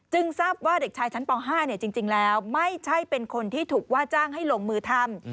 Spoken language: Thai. ทราบว่าเด็กชายชั้นป๕จริงแล้วไม่ใช่เป็นคนที่ถูกว่าจ้างให้ลงมือทำ